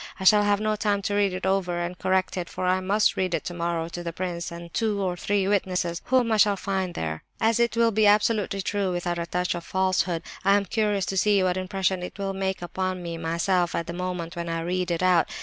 I shall have no time to read it over and correct it, for I must read it tomorrow to the prince and two or three witnesses whom I shall probably find there. "As it will be absolutely true, without a touch of falsehood, I am curious to see what impression it will make upon me myself at the moment when I read it out.